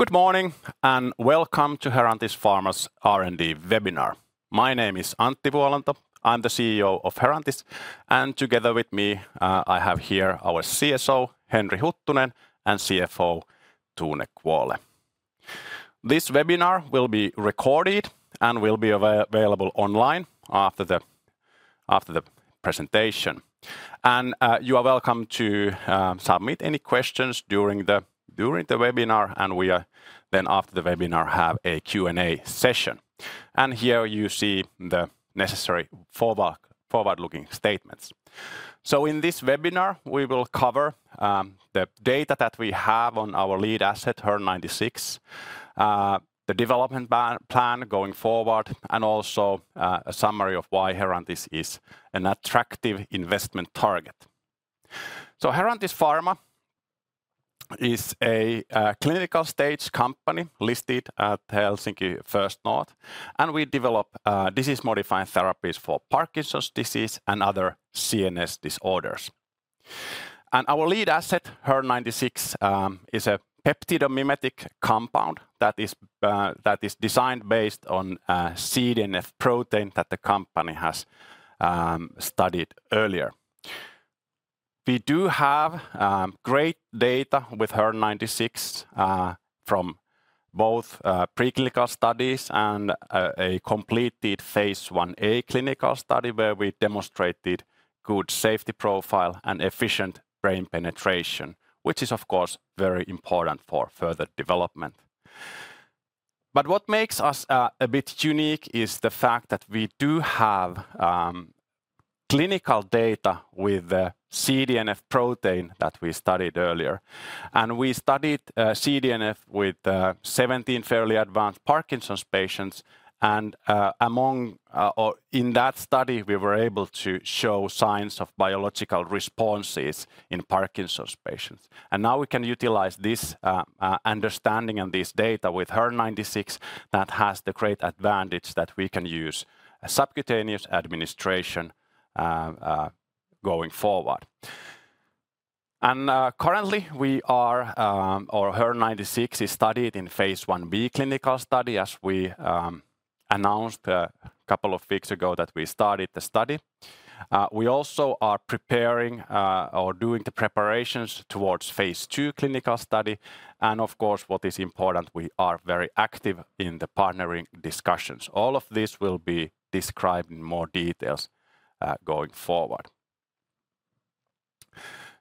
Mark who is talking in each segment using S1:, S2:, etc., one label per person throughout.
S1: Good morning, and welcome to Herantis Pharma's R&D webinar. My name is Antti Vuolanto. I'm the CEO of Herantis, and together with me, I have here our CSO, Henri Huttunen, and CFO, Tone Kvåle. This webinar will be recorded and will be available online after the presentation. And you are welcome to submit any questions during the webinar, and we are then after the webinar, have a Q&A session. And here you see the necessary forward-looking statements. So in this webinar, we will cover the data that we have on our lead asset, HER-096, the development plan going forward, and also a summary of why Herantis is an attractive investment target. Herantis Pharma is a clinical stage company listed at Helsinki First North, and we develop disease-modifying therapies for Parkinson's disease and other CNS disorders. And our lead asset, HR ninety-six, is a peptidomimetic compound that is designed based on CDNF protein that the company has studied earlier. We do have great data with HR ninety-six from both preclinical studies and a completed Phase Ia clinical study, where we demonstrated good safety profile and efficient brain penetration, which is, of course, very important for further development. But what makes us a bit unique is the fact that we do have clinical data with the CDNF protein that we studied earlier. We studied CDNF with 17 fairly advanced Parkinson's patients, and among or in that study, we were able to show signs of biological responses in Parkinson's patients. Now we can utilize this understanding and this data with HR ninety-six that has the great advantage that we can use a subcutaneous administration going forward. Currently, we are or HR ninety-six is studied in phase Ib clinical study, as we announced a couple of weeks ago that we started the study. We also are preparing or doing the preparations towards phase II clinical study, and of course, what is important, we are very active in the partnering discussions. All of this will be described in more details going forward.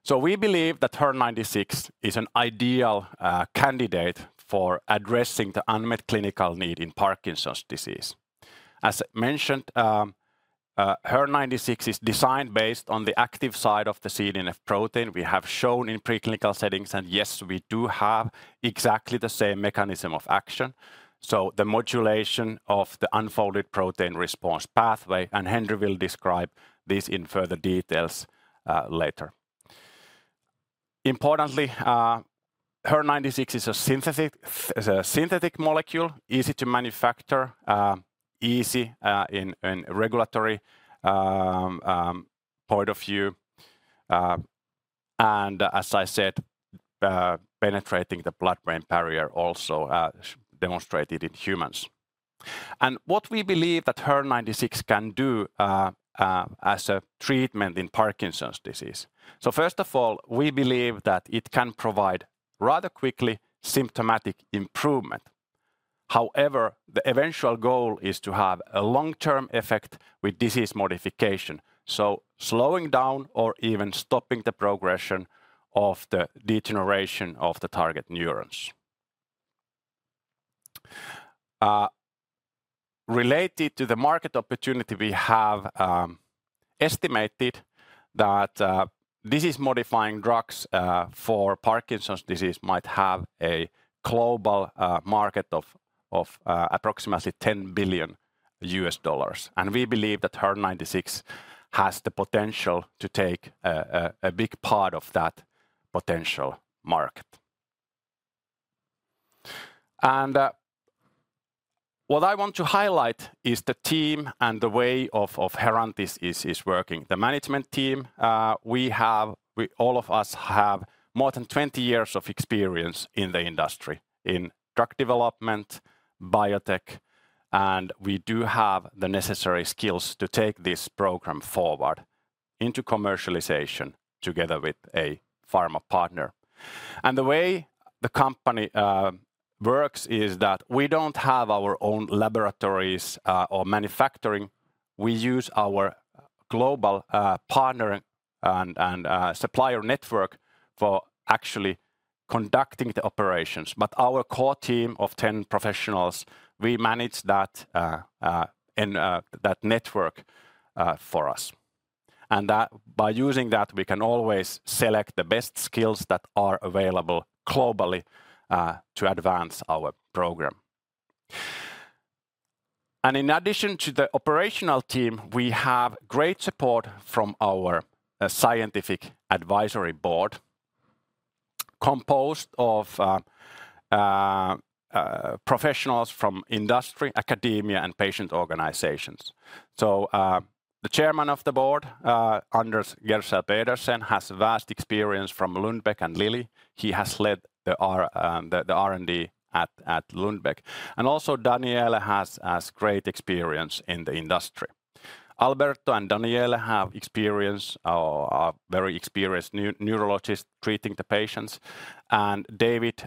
S1: So we believe that HER-096 is an ideal candidate for addressing the unmet clinical need in Parkinson's disease. As mentioned, HER-096 is designed based on the active site of the CDNF protein we have shown in preclinical settings, and yes, we do have exactly the same mechanism of action, so the modulation of the unfolded protein response pathway, and Henri will describe this in further details later. Importantly, HER-096 is a synthetic molecule, easy to manufacture, easy in regulatory point of view, and as I said, penetrating the blood-brain barrier also demonstrated in humans. And what we believe that HER-096 can do as a treatment in Parkinson's disease. So first of all, we believe that it can provide rather quickly symptomatic improvement. However, the eventual goal is to have a long-term effect with disease modification, so slowing down or even stopping the progression of the degeneration of the target neurons. Related to the market opportunity, we have estimated that disease-modifying drugs for Parkinson's disease might have a global market of approximately $10 billion. And we believe that HER-096 has the potential to take a big part of that potential market. And what I want to highlight is the team and the way of Herantis is working. The management team, we all of us have more than 20 years of experience in the industry, in drug development, biotech, and we do have the necessary skills to take this program forward into commercialization together with a pharma partner. And the way the company works is that we don't have our own laboratories or manufacturing. We use our global partner and supplier network for actually conducting the operations. But our core team of ten professionals, we manage that in that network for us. And that, by using that, we can always select the best skills that are available globally to advance our program. And in addition to the operational team, we have great support from our scientific advisory board, composed of professionals from industry, academia, and patient organizations. So, the Chairman of the Board, Anders Gersel Pedersen, has vast experience from Lundbeck and Lilly. He has led the R&D at Lundbeck. And also Daniele has great experience in the industry. Alberto and Daniele have experience, are very experienced neurologists treating the patients. And David,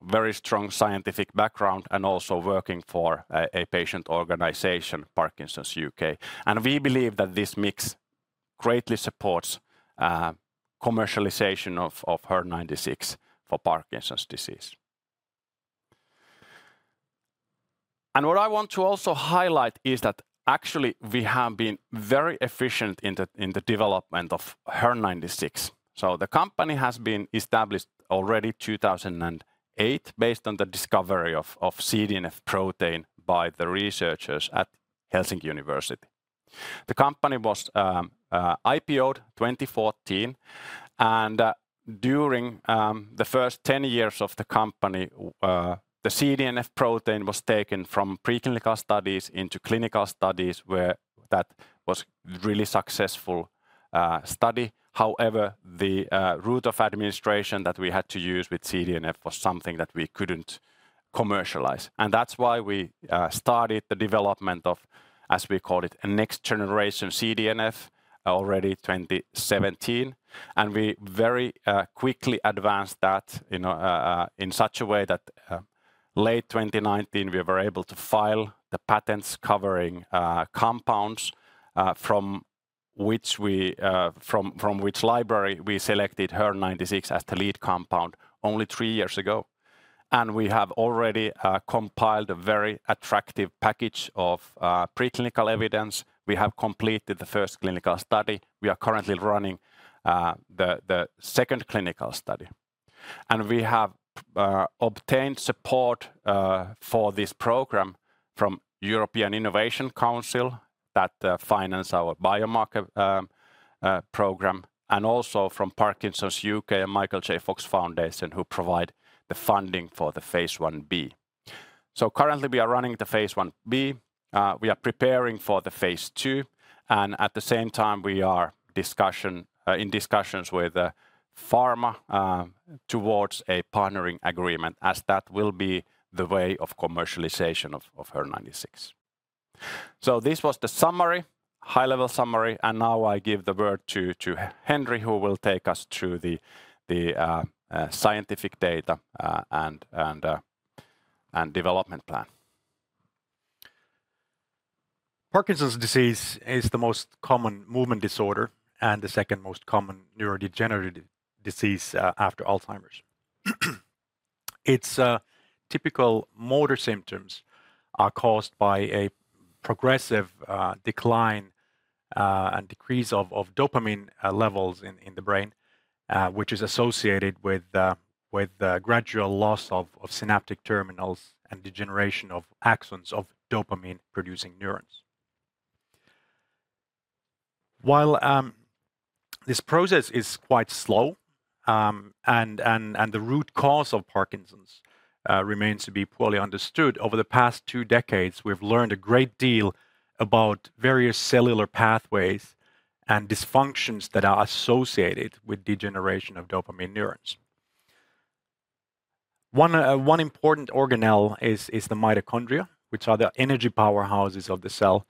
S1: very strong scientific background and also working for a patient organization, Parkinson's UK. And we believe that this mix greatly supports commercialization of HER96 for Parkinson's disease. And what I want to also highlight is that actually, we have been very efficient in the development of HER96. So the company has been established already two thousand and eight, based on the discovery of CDNF protein by the researchers at University of Helsinki. The company was IPO'd twenty fourteen, and during the first 10 years of the company, the CDNF protein was taken from preclinical studies into clinical studies, where that was really successful study. However, the route of administration that we had to use with CDNF was something that we couldn't commercialize, and that's why we started the development of, as we called it, a next-generation CDNF, already 2017. And we very quickly advanced that, you know, in such a way that, late 2019, we were able to file the patents covering compounds from which library we selected HER96 as the lead compound only three years ago. And we have already compiled a very attractive package of preclinical evidence. We have completed the first clinical study. We are currently running the second clinical study. And we have obtained support for this program from European Innovation Council, that finances our biomarker program, and also from Parkinson's UK and Michael J. Fox Foundation, who provide the funding for the phase Ia/b. Currently, we are running the phase Ia/b. We are preparing for the phase II, and at the same time, we are in discussions with pharma towards a partnering agreement, as that will be the way of commercialization of HER96. This was the summary, high-level summary, and now I give the word to Henri, who will take us through the scientific data and development plan.
S2: Parkinson's disease is the most common movement disorder and the second most common neurodegenerative disease after Alzheimer's. Its typical motor symptoms are caused by a progressive decline and decrease of dopamine levels in the brain, which is associated with gradual loss of synaptic terminals and degeneration of axons of dopamine-producing neurons. While this process is quite slow and the root cause of Parkinson's remains to be poorly understood, over the past two decades, we've learned a great deal about various cellular pathways and dysfunctions that are associated with degeneration of dopamine neurons. One important organelle is the mitochondria, which are the energy powerhouses of the cell.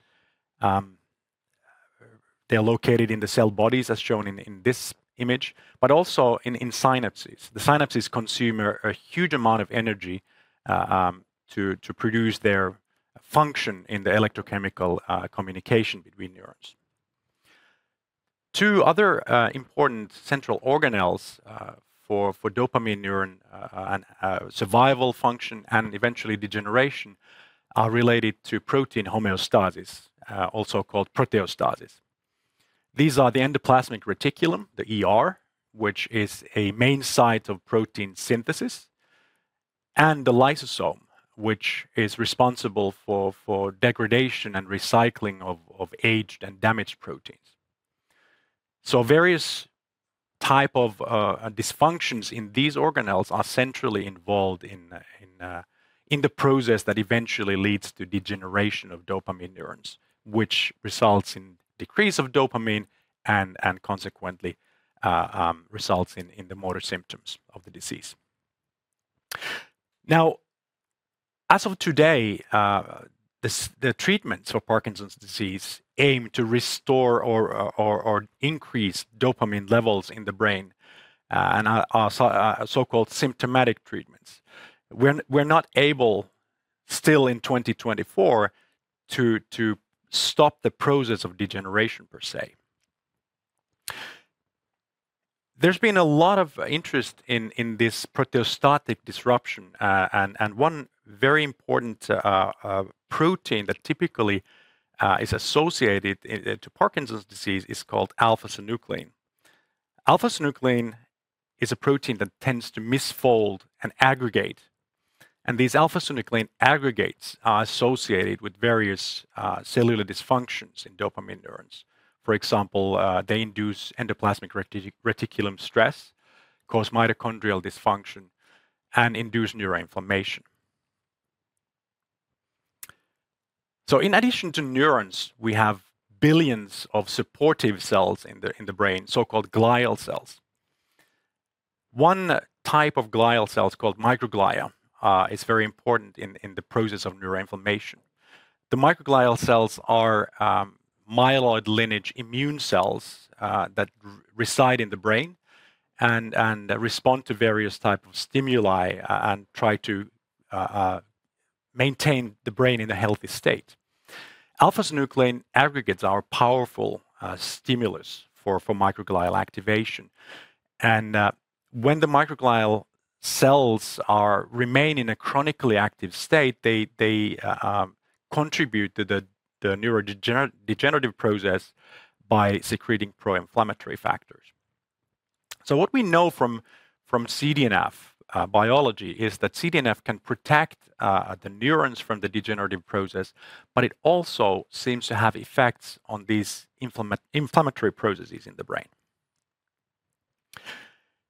S2: They're located in the cell bodies, as shown in this image, but also in synapses. The synapses consume a huge amount of energy to produce their function in the electrochemical communication between neurons. Two other important central organelles for dopamine neuron and survival function, and eventually degeneration, are related to protein homeostasis, also called proteostasis. These are the endoplasmic reticulum, the ER, which is a main site of protein synthesis, and the lysosome, which is responsible for degradation and recycling of aged and damaged proteins. Various type of dysfunctions in these organelles are centrally involved in the process that eventually leads to degeneration of dopamine neurons, which results in decrease of dopamine and consequently results in the motor symptoms of the disease. Now, as of today, the treatments for Parkinson's disease aim to restore or increase dopamine levels in the brain, and are so-called symptomatic treatments. We're not able, still in 2024, to stop the process of degeneration, per se. There's been a lot of interest in this proteostatic disruption, and one very important protein that typically is associated to Parkinson's disease is called alpha-synuclein. Alpha-synuclein is a protein that tends to misfold and aggregate, and these alpha-synuclein aggregates are associated with various cellular dysfunctions in dopamine neurons. For example, they induce endoplasmic reticulum stress, cause mitochondrial dysfunction, and induce neuroinflammation. So in addition to neurons, we have billions of supportive cells in the brain, so-called glial cells. One type of glial cells called microglia is very important in the process of neuroinflammation. The microglial cells are myeloid lineage immune cells that reside in the brain and respond to various type of stimuli and try to maintain the brain in a healthy state. Alpha-synuclein aggregates are a powerful stimulus for microglial activation. And when the microglial cells remain in a chronically active state, they contribute to the degenerative process by secreting pro-inflammatory factors. So what we know from CDNF biology is that CDNF can protect the neurons from the degenerative process, but it also seems to have effects on these inflammatory processes in the brain.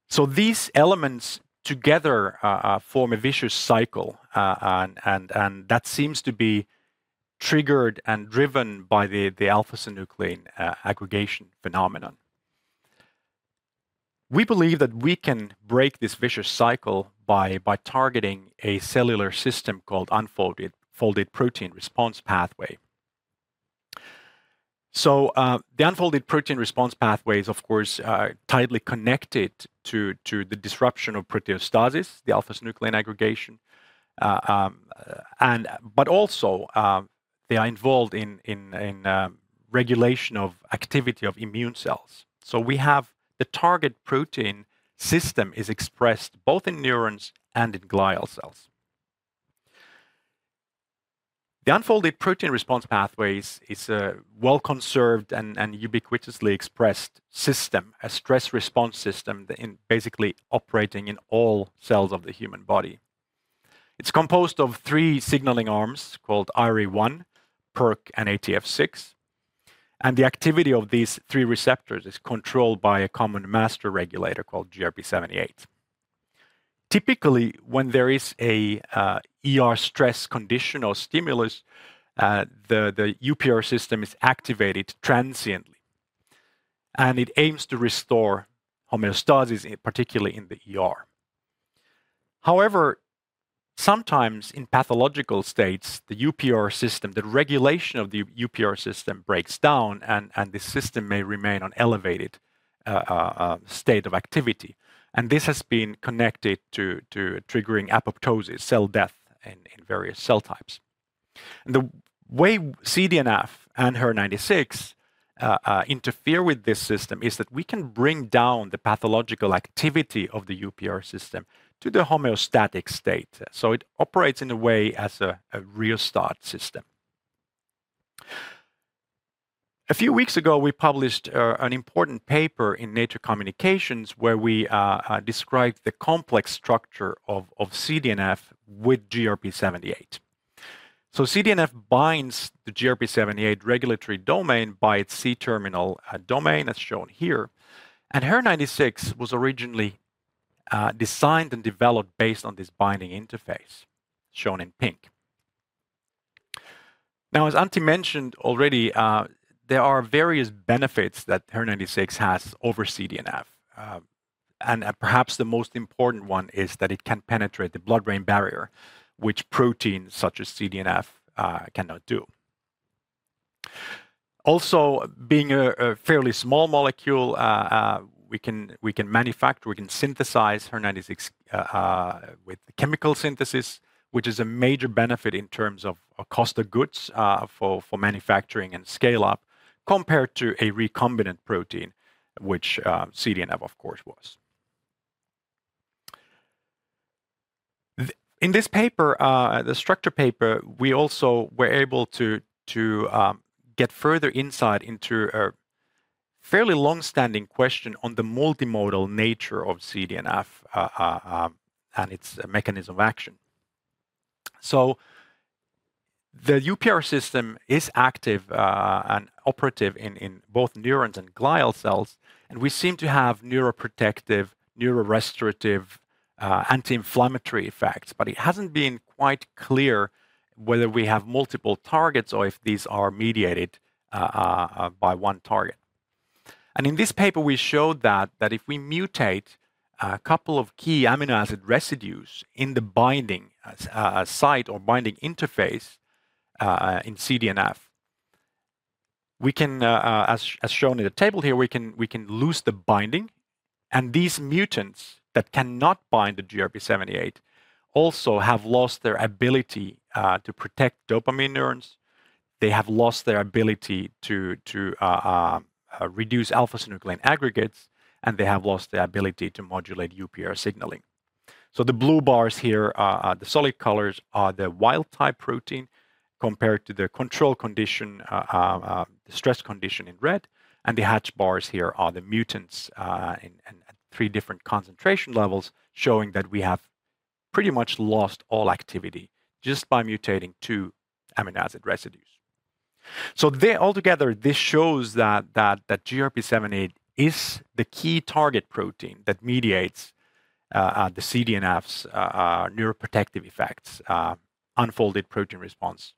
S2: So these elements together form a vicious cycle, and that seems to be triggered and driven by the alpha-synuclein aggregation phenomenon. We believe that we can break this vicious cycle by targeting a cellular system called unfolded protein response pathway. The unfolded protein response pathway is, of course, tightly connected to the disruption of proteostasis, the alpha-synuclein aggregation. And but also, they are involved in regulation of activity of immune cells. So we have the target protein system is expressed both in neurons and in glial cells. The unfolded protein response pathway is a well-conserved and ubiquitously expressed system, a stress response system basically operating in all cells of the human body. It's composed of three signaling arms called IRE1, PERK, and ATF6, and the activity of these three receptors is controlled by a common master regulator called GRP78. Typically, when there is a ER stress condition or stimulus, the UPR system is activated transiently, and it aims to restore homeostasis, particularly in the ER. However, sometimes in pathological states, the UPR system, the regulation of the UPR system, breaks down and the system may remain on elevated state of activity. And this has been connected to triggering apoptosis, cell death, in various cell types. And the way CDNF and HER96 interfere with this system is that we can bring down the pathological activity of the UPR system to the homeostatic state. So it operates in a way, as a restart system. A few weeks ago, we published an important paper in Nature Communications, where we described the complex structure of CDNF with GRP78, so CDNF binds the GRP78 regulatory domain by its C-terminal domain, as shown here, and HER96 was originally designed and developed based on this binding interface, shown in pink. Now, as Antti mentioned already, there are various benefits that HER96 has over CDNF, and perhaps the most important one is that it can penetrate the blood-brain barrier, which proteins such as CDNF cannot do. Also, being a fairly small molecule, we can manufacture, we can synthesize HER96 with chemical synthesis, which is a major benefit in terms of cost of goods for manufacturing and scale up, compared to a recombinant protein, which CDNF, of course, was. In this paper, the structure paper, we also were able to get further insight into a fairly long-standing question on the multimodal nature of CDNF and its mechanism of action, so the UPR system is active and operative in both neurons and glial cells, and we seem to have neuroprotective, neurorestorative, anti-inflammatory effects, but it hasn't been quite clear whether we have multiple targets or if these are mediated by one target, and in this paper, we showed that if we mutate a couple of key amino acid residues in the binding site or binding interface in CDNF, we can, as shown in the table here, we can lose the binding. These mutants that cannot bind the GRP78 also have lost their ability to protect dopamine neurons. They have lost their ability to reduce alpha-synuclein aggregates, and they have lost the ability to modulate UPR signaling. The blue bars here are the solid colors are the wild-type protein compared to the control condition, the stress condition in red, and the hatched bars here are the mutants in three different concentration levels, showing that we have pretty much lost all activity just by mutating two amino acid residues. Altogether, this shows that GRP78 is the key target protein that mediates the CDNFs neuroprotective effects, unfolded protein response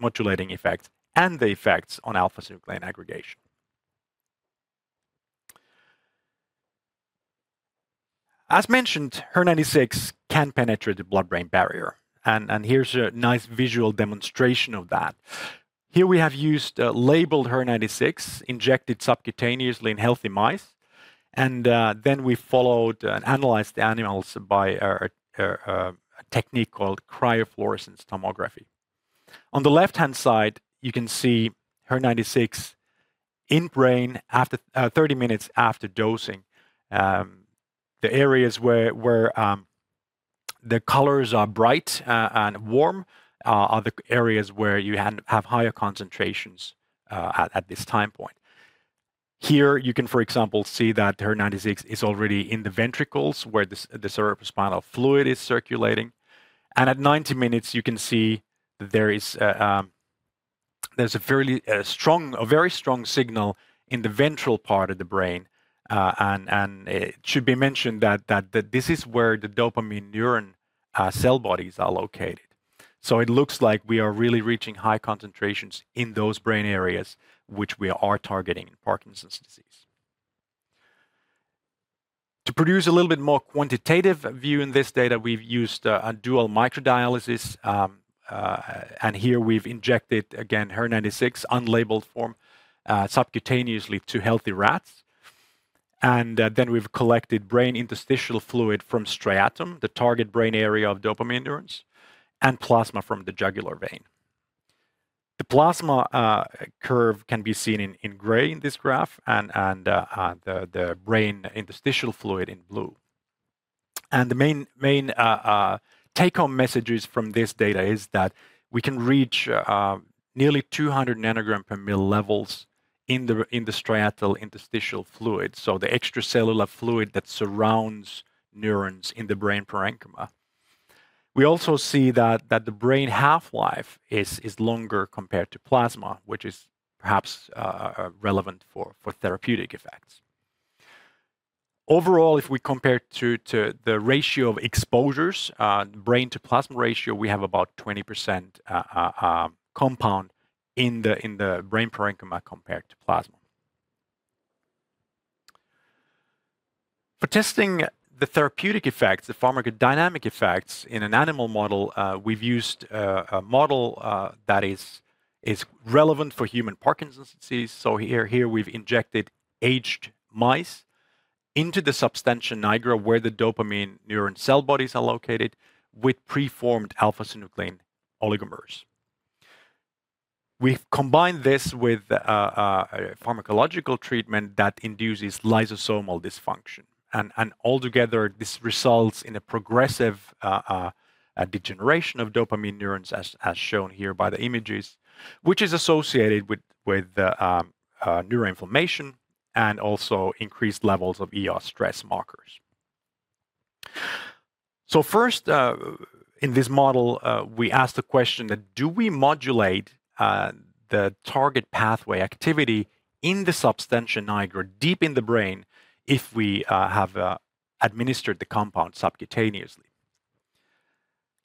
S2: modulating effects, and the effects on alpha-synuclein aggregation. As mentioned, HER96 can penetrate the blood-brain barrier, and here's a nice visual demonstration of that. Here we have used labeled HER96, injected subcutaneously in healthy mice, and then we followed and analyzed the animals by a technique called cryo-fluorescence tomography. On the left-hand side, you can see HER96 in brain after 30 minutes after dosing. The areas where the colors are bright and warm are the areas where you have higher concentrations at this time point. Here, you can, for example, see that HER96 is already in the ventricles, where the cerebrospinal fluid is circulating. At 90 minutes, you can see there is a very strong signal in the ventral part of the brain. It should be mentioned that this is where the dopamine neuron cell bodies are located, so it looks like we are really reaching high concentrations in those brain areas, which we are targeting in Parkinson's disease. To produce a little bit more quantitative view in this data, we've used a dual microdialysis, and here we've injected, again, HER96, unlabeled form, subcutaneously to healthy rats, then we've collected brain interstitial fluid from striatum, the target brain area of dopamine neurons, and plasma from the jugular vein. The plasma curve can be seen in gray in this graph, and the brain interstitial fluid in blue. And the main take-home messages from this data is that we can reach nearly two hundred nanogram per ml levels in the striatal interstitial fluid, so the extracellular fluid that surrounds neurons in the brain parenchyma. We also see that the brain half-life is longer compared to plasma, which is perhaps relevant for therapeutic effects. Overall, if we compare to the ratio of exposures, brain to plasma ratio, we have about 20% compound in the brain parenchyma compared to plasma. For testing the therapeutic effects, the pharmacodynamic effects in an animal model, we've used a model that is relevant for human Parkinson's disease. So here, we've injected aged mice into the substantia nigra, where the dopamine neuron cell bodies are located, with preformed alpha-synuclein oligomers. We've combined this with a pharmacological treatment that induces lysosomal dysfunction, and altogether, this results in a progressive degeneration of dopamine neurons, as shown here by the images, which is associated with neuroinflammation, and also increased levels of ER stress markers, so first in this model we asked the question that, do we modulate the target pathway activity in the substantia nigra, deep in the brain, if we have administered the compound subcutaneously?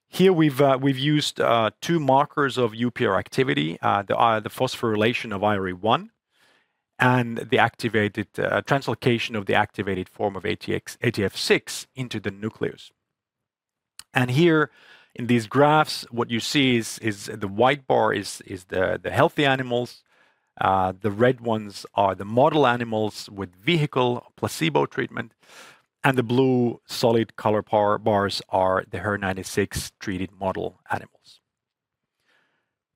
S2: Here, we've used two markers of UPR activity, the phosphorylation of IRE1, and the activated translocation of the activated form of ATF6 into the nucleus. And here, in these graphs, what you see is the white bar is the healthy animals, the red ones are the model animals with vehicle placebo treatment, and the blue solid color bars are the HER96-treated model animals.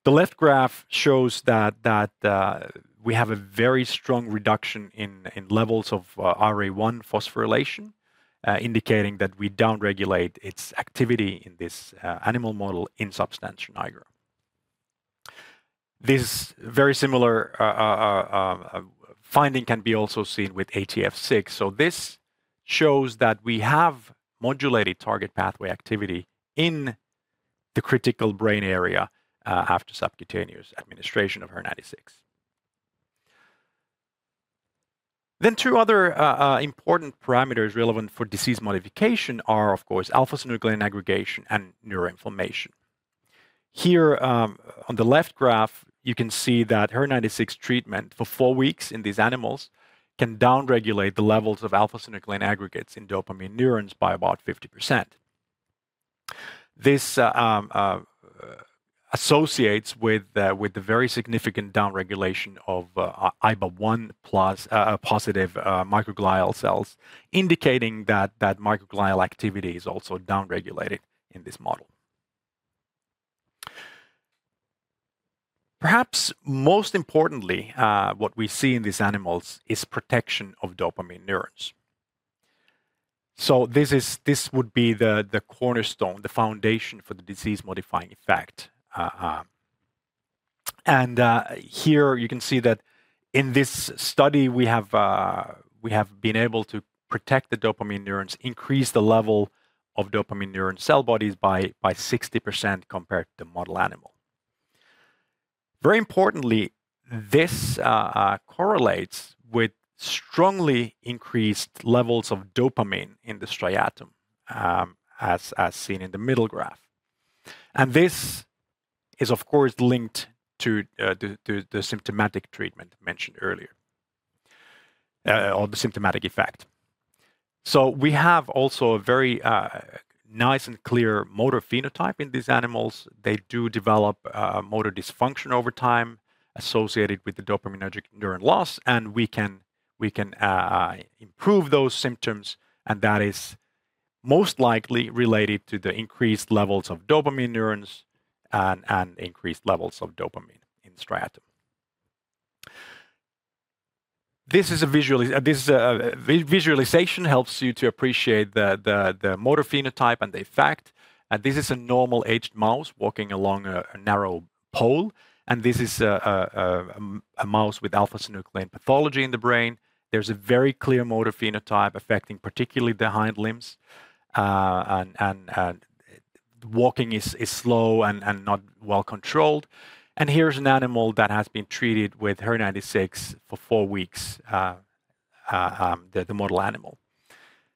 S2: The left graph shows that we have a very strong reduction in levels of IRE1 phosphorylation, indicating that we downregulate its activity in this animal model in substantia nigra. This very similar finding can be also seen with ATF6, so this shows that we have modulated target pathway activity in the critical brain area after subcutaneous administration of HER96. Then two other important parameters relevant for disease modification are, of course, alpha-synuclein aggregation and neuroinflammation. Here, on the left graph, you can see that HER96 treatment for four weeks in these animals can downregulate the levels of alpha-synuclein aggregates in dopamine neurons by about 50%. This associates with the very significant downregulation of Iba1-positive microglial cells, indicating that microglial activity is also downregulated in this model. Perhaps most importantly, what we see in these animals is protection of dopamine neurons. So this would be the cornerstone, the foundation for the disease-modifying effect. And here you can see that in this study, we have been able to protect the dopamine neurons, increase the level of dopamine neuron cell bodies by 60% compared to model animal. Very importantly, this correlates with strongly increased levels of dopamine in the striatum, as seen in the middle graph. And this is, of course, linked to the symptomatic treatment mentioned earlier, or the symptomatic effect. So we have also a very nice and clear motor phenotype in these animals. They do develop motor dysfunction over time associated with the dopaminergic neuron loss, and we can improve those symptoms, and that is most likely related to the increased levels of dopamine neurons and increased levels of dopamine in striatum. This visualization helps you to appreciate the motor phenotype and the effect. And this is a normal aged mouse walking along a narrow pole, and this is a mouse with alpha-synuclein pathology in the brain. There's a very clear motor phenotype affecting particularly the hind limbs. Walking is slow and not well-controlled. And here's an animal that has been treated with HER96 for four weeks, the model animal.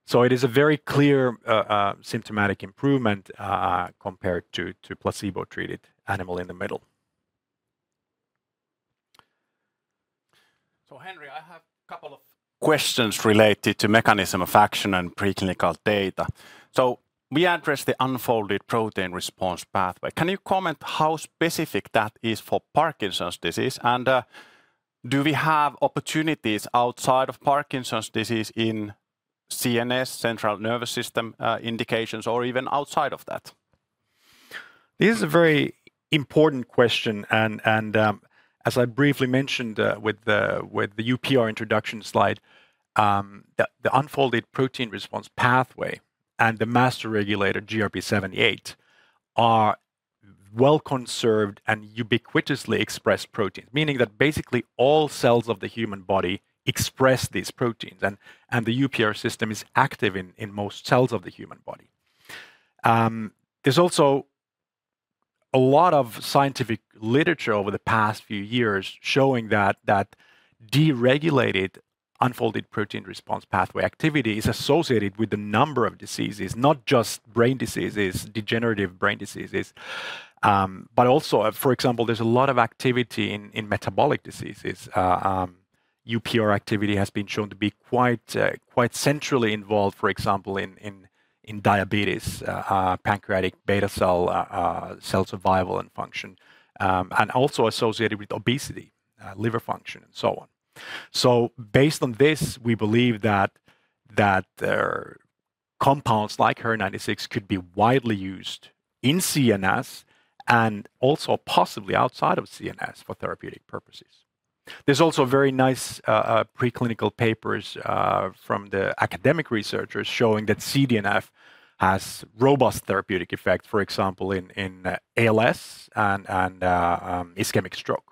S2: So it is a very clear symptomatic improvement compared to placebo-treated animal in the middle.
S1: So Henri, I have a couple of questions related to mechanism of action and preclinical data. So we address the unfolded protein response pathway. Can you comment how specific that is for Parkinson's disease? And, do we have opportunities outside of Parkinson's disease in CNS, central nervous system, indications, or even outside of that?
S2: This is a very important question, and as I briefly mentioned with the UPR introduction slide, the unfolded protein response pathway and the master regulator, GRP78, are well-conserved and ubiquitously expressed proteins, meaning that basically all cells of the human body express these proteins. The UPR system is active in most cells of the human body. There's also a lot of scientific literature over the past few years showing that deregulated unfolded protein response pathway activity is associated with a number of diseases, not just brain diseases, degenerative brain diseases, but also, for example, there's a lot of activity in metabolic diseases. UPR activity has been shown to be quite, quite centrally involved, for example, in diabetes, pancreatic beta cell survival and function, and also associated with obesity, liver function, and so on. So based on this, we believe that their compounds like HER96 could be widely used in CNS and also possibly outside of CNS for therapeutic purposes. There's also very nice preclinical papers from the academic researchers showing that CDNF has robust therapeutic effect, for example, in ALS and ischemic stroke.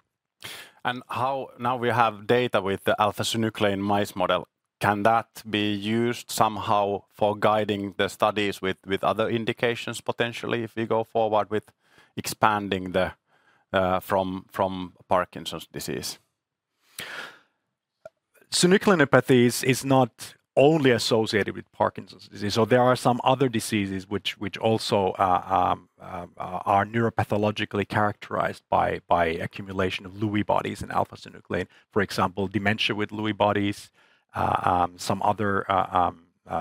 S1: Now we have data with the alpha-synuclein mice model. Can that be used somehow for guiding the studies with other indications, potentially, if we go forward with expanding from Parkinson's disease?
S2: Synucleinopathy is not only associated with Parkinson's disease, so there are some other diseases which also are neuropathologically characterized by accumulation of Lewy bodies in alpha-synuclein. For example, dementia with Lewy bodies, some other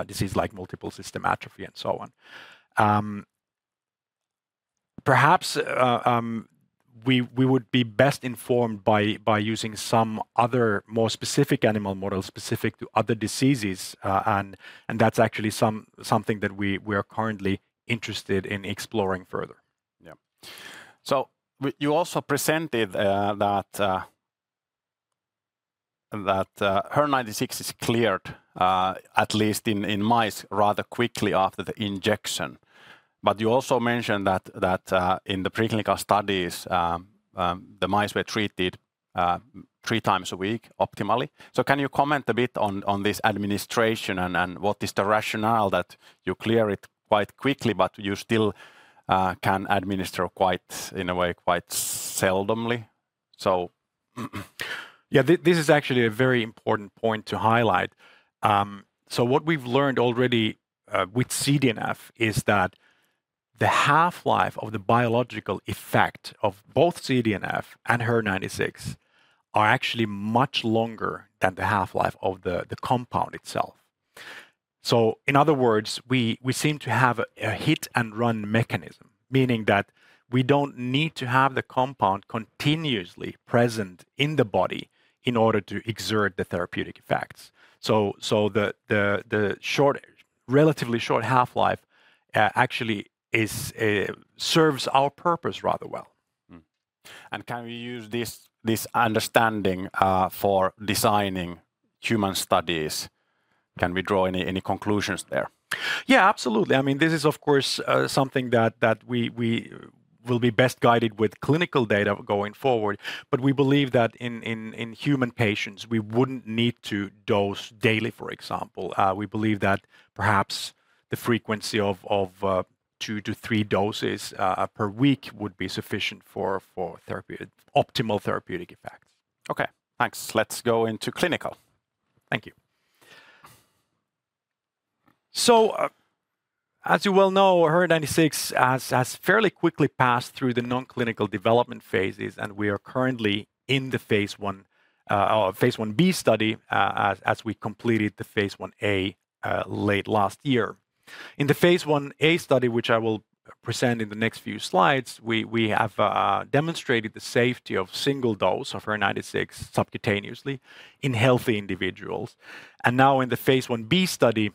S2: disease like multiple system atrophy and so on. Perhaps we would be best informed by using some other more specific animal models, specific to other diseases, and that's actually something that we are currently interested in exploring further.
S1: Yeah. So you also presented that HER96 is cleared at least in mice rather quickly after the injection. But you also mentioned that in the preclinical studies the mice were treated three times a week optimally. So can you comment a bit on this administration and what is the rationale that you clear it quite quickly but you still can administer quite in a way quite seldomly so?
S2: Yeah. This is actually a very important point to highlight. So what we've learned already with CDNF is that the half-life of the biological effect of both CDNF and HER96 are actually much longer than the half-life of the compound itself. So in other words, we seem to have a hit-and-run mechanism, meaning that we don't need to have the compound continuously present in the body in order to exert the therapeutic effects. So the short, relatively short half-life actually serves our purpose rather well.
S1: Mm-hmm. And can we use this, this understanding, for designing human studies? Can we draw any, any conclusions there?
S2: Yeah, absolutely. I mean, this is of course something that we will be best guided with clinical data going forward. But we believe that in human patients, we wouldn't need to dose daily, for example. We believe that perhaps the frequency of two to three doses per week would be sufficient for optimal therapeutic effect. Okay, thanks. Let's go into clinical. Thank you. As you well know, HER96 has fairly quickly passed through the non-clinical development phases, and we are currently in the phase 1b study, as we completed the phase 1a late last year. In the phase 1a study, which I will present in the next few slides, we have demonstrated the safety of single dose of HER96 subcutaneously in healthy individuals. Now in the phase 1b study,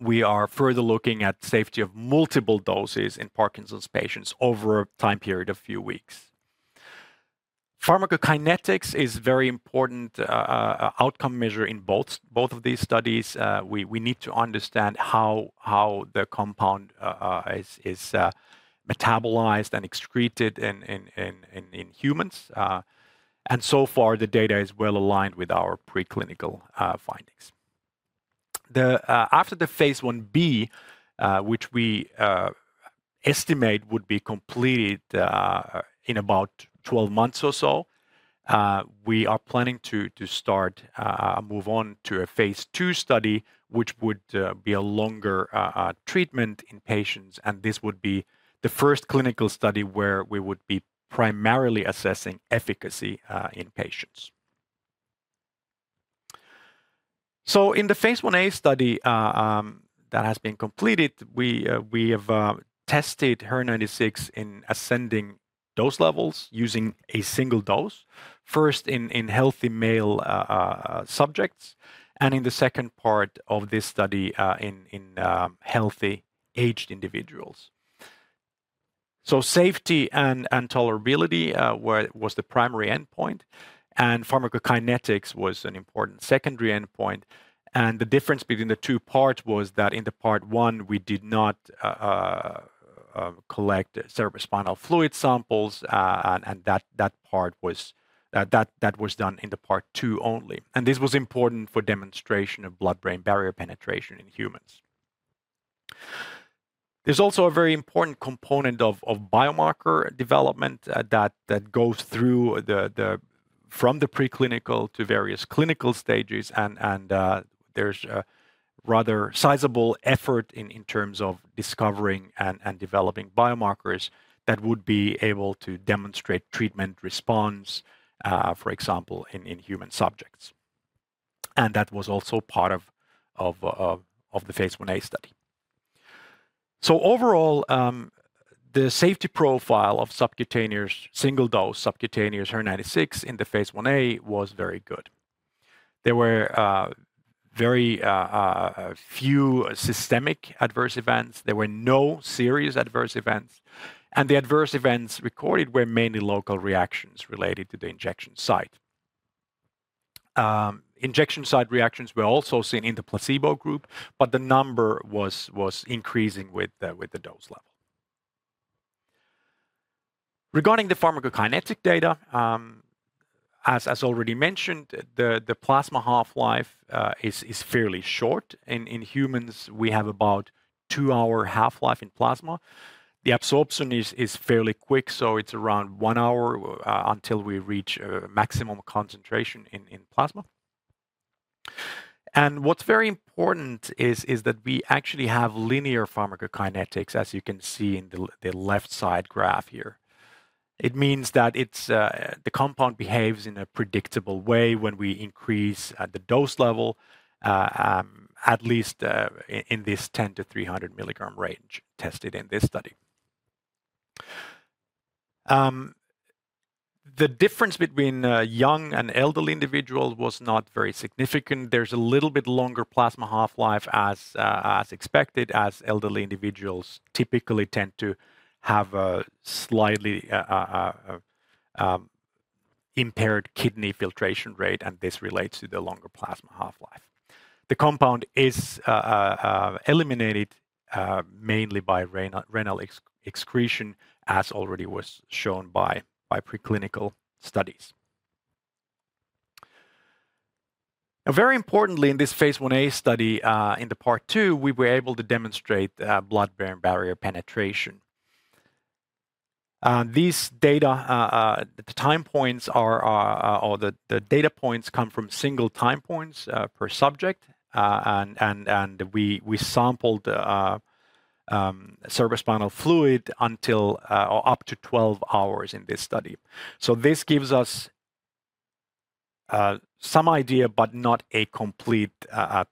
S2: we are further looking at safety of multiple doses in Parkinson's patients over a time period of few weeks. Pharmacokinetics is very important outcome measure in both of these studies. We need to understand how the compound is metabolized and excreted in humans. And so far, the data is well-aligned with our preclinical findings. After the phase 1b, which we estimate would be completed in about 12 months or so, we are planning to move on to a phase 2 study, which would be a longer treatment in patients, and this would be the first clinical study where we would be primarily assessing efficacy in patients. So in the phase Ia study that has been completed, we have tested HER-096 in ascending dose levels using a single dose, first in healthy male subjects, and in the second part of this study, in healthy aged individuals. So safety and tolerability was the primary endpoint, and pharmacokinetics was an important secondary endpoint. And the difference between the two parts was that in the part one, we did not collect cerebrospinal fluid samples, and that part was done in the part two only, and this was important for demonstration of blood-brain barrier penetration in humans. There's also a very important component of biomarker development that goes through the from the preclinical to various clinical stages, and there's a rather sizable effort in terms of discovering and developing biomarkers that would be able to demonstrate treatment response, for example, in human subjects, and that was also part of the phase 1a study. So overall, the safety profile of subcutaneous, single dose subcutaneous HER-096 in the phase 1a was very good. There were very few systemic adverse events. There were no serious adverse events, and the adverse events recorded were mainly local reactions related to the injection site. Injection site reactions were also seen in the placebo group, but the number was increasing with the dose level. Regarding the pharmacokinetic data, as already mentioned, the plasma half-life is fairly short. In humans, we have about two-hour half-life in plasma. The absorption is fairly quick, so it's around one hour until we reach maximum concentration in plasma. What's very important is that we actually have linear pharmacokinetics, as you can see in the left side graph here. It means that it's the compound behaves in a predictable way when we increase the dose level, at least in this 10-300 milligram range tested in this study. The difference between a young and elderly individual was not very significant. There's a little bit longer plasma half-life as, as expected, as elderly individuals typically tend to have a slightly impaired kidney filtration rate, and this relates to the longer plasma half-life. The compound is eliminated mainly by renal excretion, as already was shown by preclinical studies. Now, very importantly, in this phase 1a study, in the part two, we were able to demonstrate blood-brain barrier penetration. These data, the time points are the data points come from single time points per subject, and we sampled cerebrospinal fluid until or up to twelve hours in this study. So this gives us some idea, but not a complete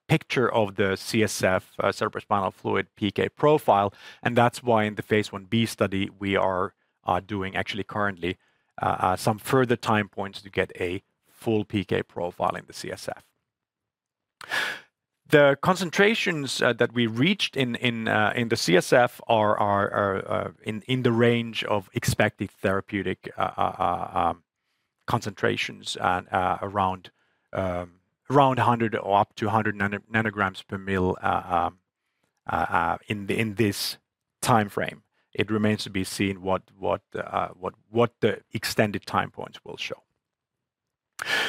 S2: picture of the CSF, cerebrospinal fluid PK profile, and that's why in the phase 1b study, we are doing actually currently some further time points to get a full PK profile in the CSF. The concentrations that we reached in the CSF are in the range of expected therapeutic concentrations and around a hundred or up to a hundred nanograms per ml in this timeframe. It remains to be seen what the extended time points will show.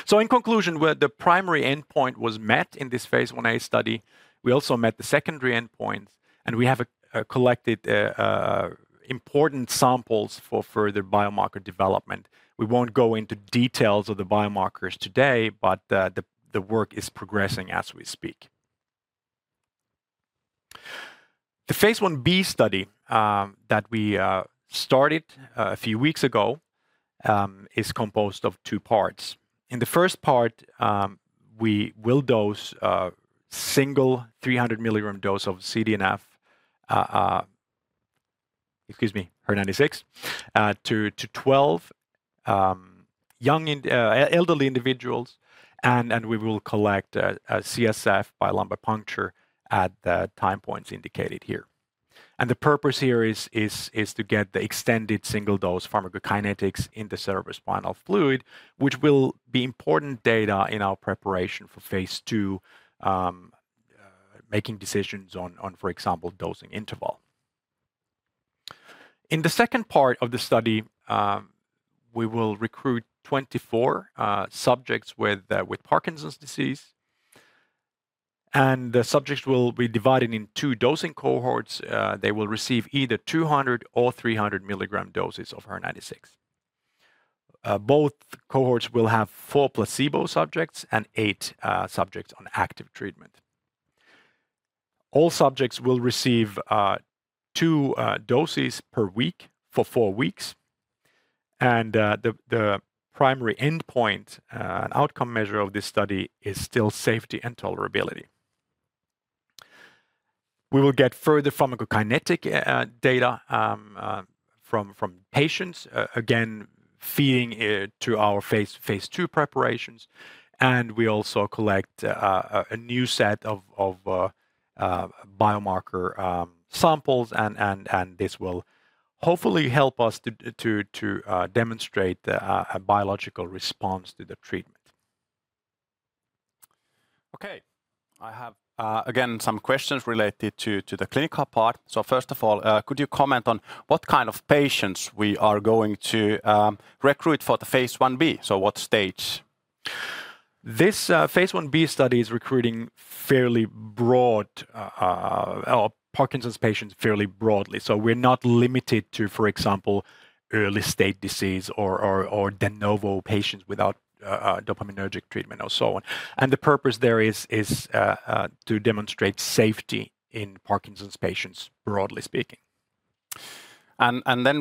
S2: So in conclusion, where the primary endpoint was met in this phase Ia study, we also met the secondary endpoints, and we have collected important samples for further biomarker development. We won't go into details of the biomarkers today, but the work is progressing as we speak. The phase Ib study that we started a few weeks ago is composed of two parts. In the first part, we will dose a single 300 milligram dose of CDNF, excuse me, HER96, to 12 young elderly individuals, and we will collect a CSF by lumbar puncture at the time points indicated here. The purpose here is to get the extended single dose pharmacokinetics in the cerebrospinal fluid, which will be important data in our preparation for phase II, making decisions on, for example, dosing interval. In the second part of the study, we will recruit 24 subjects with Parkinson's disease, and the subjects will be divided in two dosing cohorts. They will receive either 200 or 300 mg doses of HER96. Both cohorts will have 4 placebo subjects and 8 subjects on active treatment. All subjects will receive 2 doses per week for 4 weeks, and the primary endpoint and outcome measure of this study is still safety and tolerability. We will get further pharmacokinetic data from patients, again, feeding it to our phase II preparations. And we also collect a new set of biomarker samples, and this will hopefully help us to demonstrate a biological response to the treatment.
S1: Okay. I have, again, some questions related to the clinical part. So first of all, could you comment on what kind of patients we are going to recruit for the phase Ib? So what stage?
S2: This phase Ib study is recruiting fairly broadly or Parkinson's patients fairly broadly. So we're not limited to, for example, early stage disease or de novo patients without dopaminergic treatment or so on. And the purpose there is to demonstrate safety in Parkinson's patients, broadly speaking.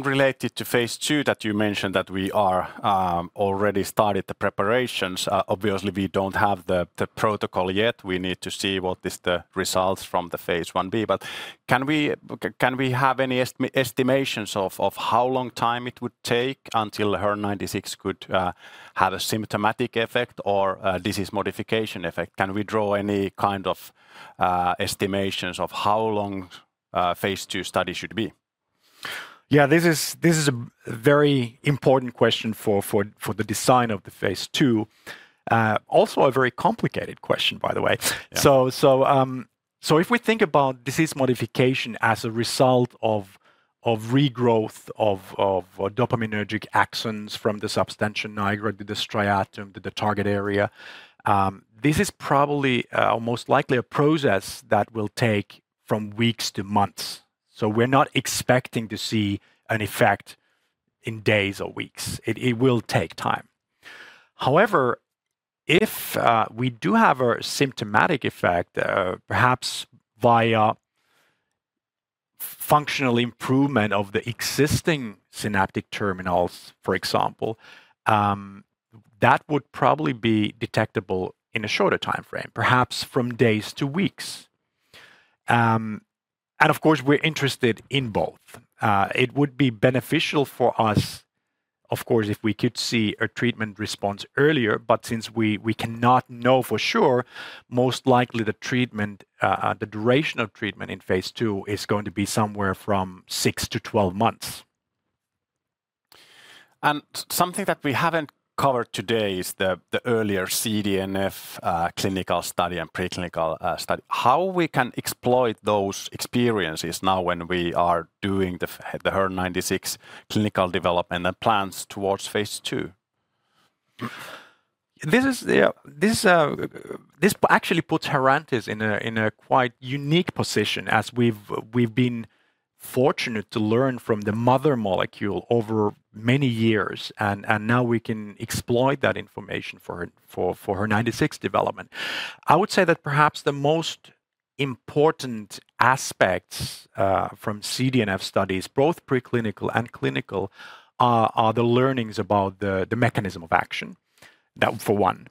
S1: Related to phase II, that you mentioned that we are already started the preparations. Obviously, we don't have the protocol yet. We need to see what is the results from the phase Ib. But can we have any estimations of how long time it would take until HER96 could have a symptomatic effect or a disease modification effect? Can we draw any kind of estimations of how long phase II study should be?
S2: Yeah, this is a very important question for the design of the phase II. Also a very complicated question, by the way.
S1: Yeah.
S2: If we think about disease modification as a result of regrowth of dopaminergic axons from the substantia nigra to the striatum to the target area, this is probably, or most likely, a process that will take from weeks to months. We're not expecting to see an effect in days or weeks. It will take time. However, if we do have a symptomatic effect, perhaps via functional improvement of the existing synaptic terminals, for example, that would probably be detectable in a shorter timeframe, perhaps from days to weeks, and of course, we're interested in both. It would be beneficial for us, of course, if we could see a treatment response earlier, but since we cannot know for sure, most likely the treatment, the duration of treatment in phase II is going to be somewhere from six to 12 months.
S1: Something that we haven't covered today is the earlier CDNF clinical study and preclinical study. How we can exploit those experiences now when we are doing the HER96 clinical development and plans towards phase II?
S2: This is, yeah, this actually puts Herantis in a quite unique position, as we've been fortunate to learn from the mother molecule over many years, and now we can exploit that information for HER96 development. I would say that perhaps the most important aspects from CDNF studies, both preclinical and clinical, are the learnings about the mechanism of action. That, for one.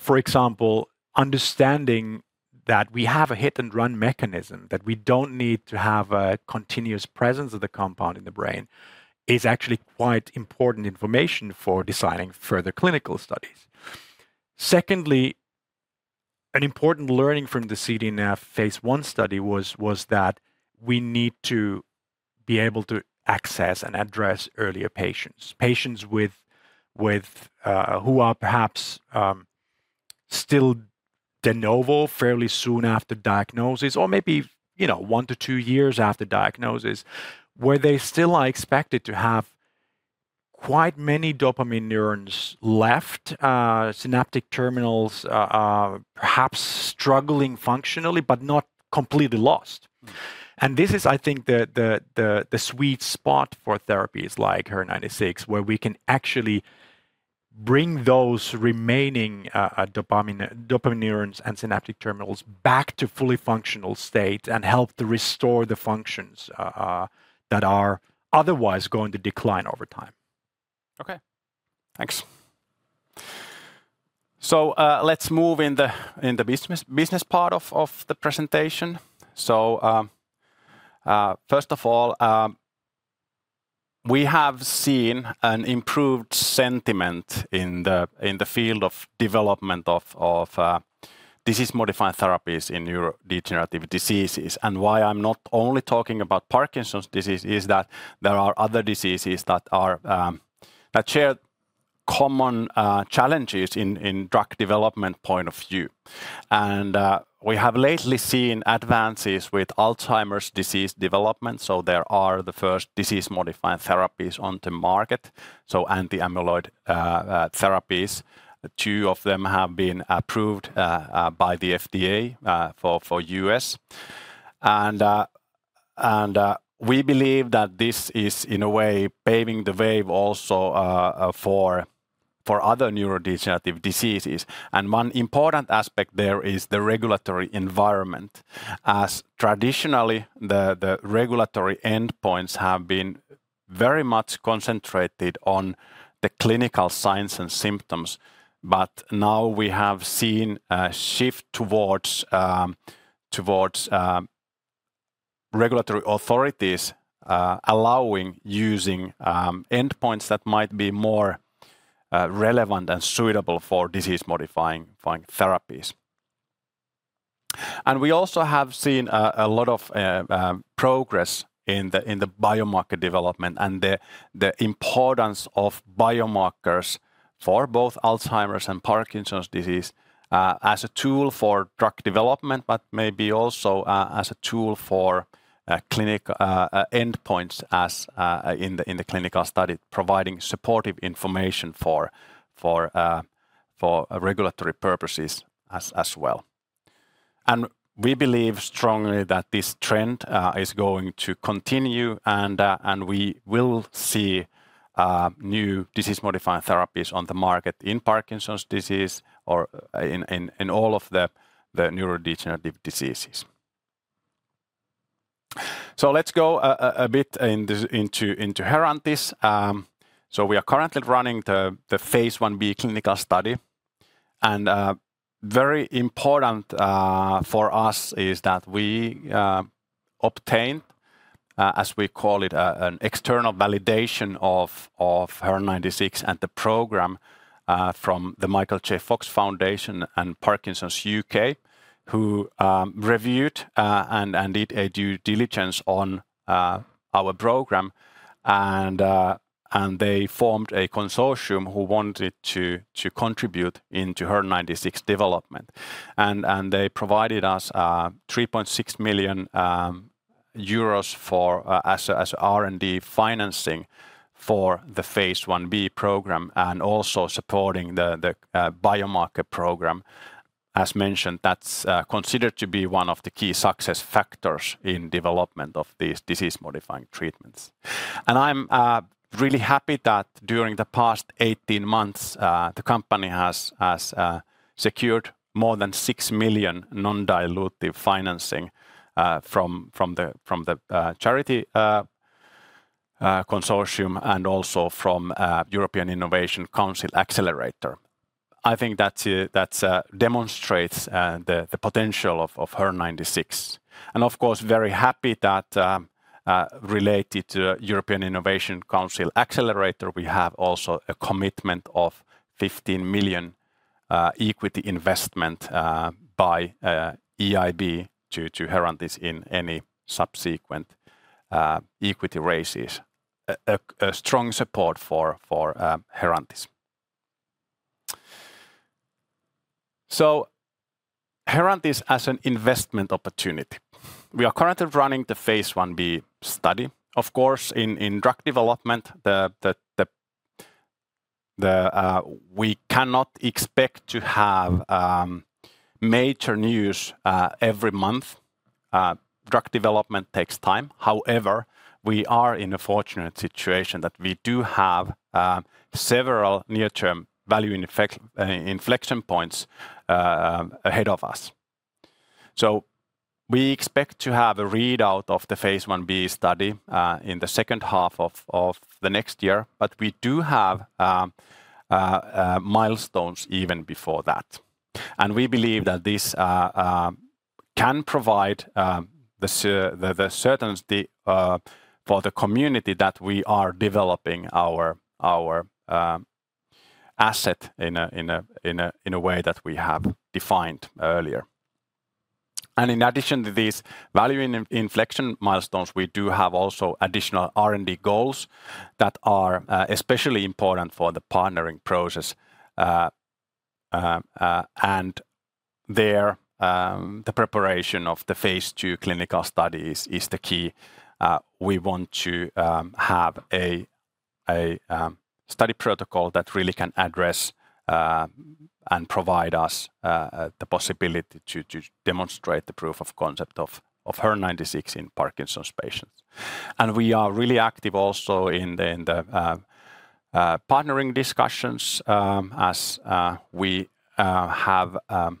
S2: For example, understanding that we have a hit-and-run mechanism, that we don't need to have a continuous presence of the compound in the brain, is actually quite important information for designing further clinical studies. Secondly, an important learning from the CDNF phase I study was that we need to be able to access and address earlier patients, patients with who are perhaps....
S1: still de novo fairly soon after diagnosis, or maybe, you know, one to two years after diagnosis, where they still are expected to have quite many dopamine neurons left, synaptic terminals, perhaps struggling functionally, but not completely lost. And this is, I think, the sweet spot for therapies like HER96, where we can actually bring those remaining, dopamine neurons and synaptic terminals back to fully functional state and help to restore the functions, that are otherwise going to decline over time. Okay, thanks. So, let's move in the business part of the presentation. So, first of all, we have seen an improved sentiment in the field of development of disease-modifying therapies in neurodegenerative diseases.
S2: And why I'm not only talking about Parkinson's disease is that there are other diseases that share common challenges in drug development point of view. And we have lately seen advances with Alzheimer's disease development, so there are the first disease-modifying therapies on the market, so anti-amyloid therapies. Two of them have been approved by the FDA for U.S. And we believe that this is, in a way, paving the way also for other neurodegenerative diseases. And one important aspect there is the regulatory environment. As traditionally, the regulatory endpoints have been very much concentrated on the clinical signs and symptoms, but now we have seen a shift towards regulatory authorities allowing using endpoints that might be more relevant and suitable for disease-modifying therapies. And we also have seen a lot of progress in the biomarker development and the importance of biomarkers for both Alzheimer's and Parkinson's disease as a tool for drug development, but maybe also as a tool for clinical endpoints as in the clinical study, providing supportive information for regulatory purposes as well. We believe strongly that this trend is going to continue, and we will see new disease-modifying therapies on the market in Parkinson's disease or in all of the neurodegenerative diseases. Let's go a bit into Herantis. We are currently running the phase Ib clinical study. And very important for us is that we obtained, as we call it, an external validation of HER96 and the program from the Michael J. Fox Foundation and Parkinson's UK, who reviewed and did a due diligence on our program. And they formed a consortium who wanted to contribute into HER96 development. And they provided us 3.6 million euros for as R&D financing for the phase Ib program, and also supporting the biomarker program. As mentioned, that's considered to be one of the key success factors in development of these disease-modifying treatments. I'm really happy that during the past 18 months, the company has secured more than 6 million non-dilutive financing from the charity consortium and also from European Innovation Council Accelerator. I think that demonstrates the potential of HER96. Of course, very happy that related to European Innovation Council Accelerator, we have also a commitment of 15 million equity investment by EIB to Herantis in any subsequent equity raises. A strong support for Herantis. Herantis as an investment opportunity. We are currently running the phase Ib study. Of course, in drug development, we cannot expect to have major news every month. Drug development takes time. However, we are in a fortunate situation that we do have several near-term value inflection points ahead of us. So we expect to have a readout of the phase Ib study in the second half of the next year, but we do have milestones even before that. And we believe that this can provide the certainty for the community that we are developing our asset in a way that we have defined earlier. And in addition to these value inflection milestones, we do have also additional R&D goals that are especially important for the partnering process. And there the preparation of the phase two clinical studies is the key. We want to have a study protocol that really can address and provide us the possibility to demonstrate the proof of concept of HER96 in Parkinson's patients. And we are really active also in the partnering discut. Of course, phase one B clinical data readout in about a year, it's very important, but thessions, as we have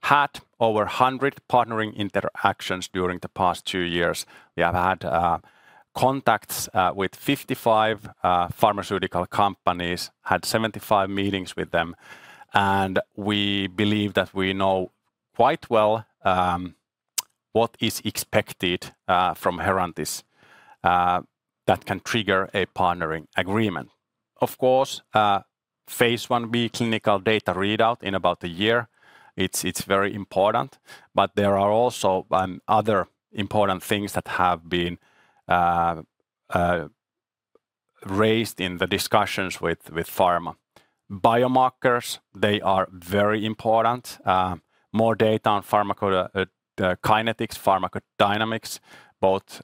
S2: had over 100 partnering interactions during the past two years. We have had contacts with 55 pharmaceutical companies, had 75 meetings with them, and we believe that we know quite well what is expected from Herantis that can trigger a partnering agreement. Of course, phase one B clinical data readout in about a year, it's very important, but there are also other important things that have been raised in the discussions with pharma. Biomarkers, they are very important. More data on pharmacokinetics, pharmacodynamics, both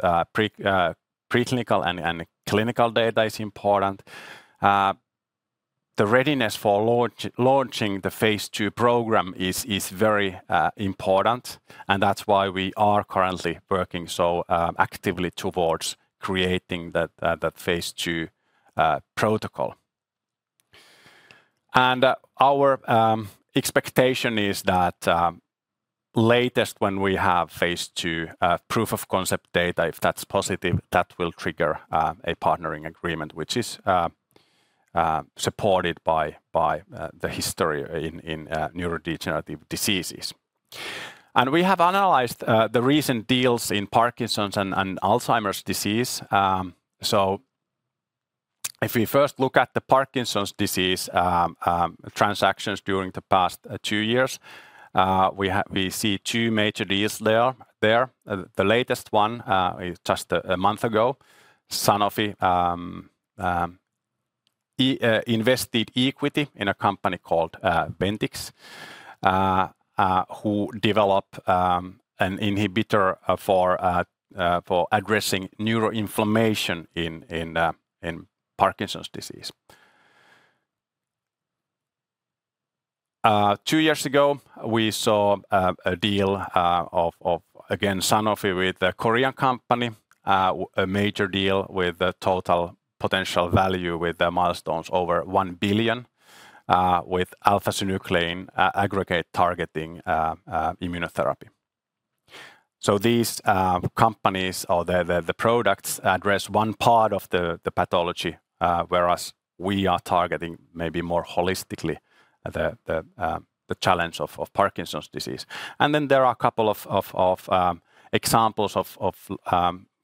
S2: preclinical and clinical data is important. The readiness for launching the phase two program is very important, and that's why we are currently working so actively towards creating that phase two protocol. And our expectation is that, latest when we have phase two proof of concept data, if that's positive, that will trigger a partnering agreement, which is supported by the history in neurodegenerative diseases. And we have analyzed the recent deals in Parkinson's and Alzheimer's disease. So if we first look at the Parkinson's disease transactions during the past two years, we see two major deals there. The latest one, just a month ago, Sanofi invested equity in a company called Ventyx who developed an inhibitor for addressing neuroinflammation in Parkinson's disease. Two years ago, we saw a deal, again Sanofi with a Korean company, a major deal with a total potential value with the milestones over one billion with alpha-synuclein aggregate targeting immunotherapy. So these companies or the products address one part of the pathology, whereas we are targeting maybe more holistically the challenge of Parkinson's disease. And then there are a couple of examples of